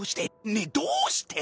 ねえどうして！？